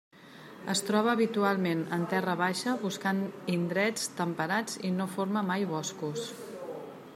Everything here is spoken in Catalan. Es troba habitualment en terra baixa buscant indrets temperats i no forma mai boscos.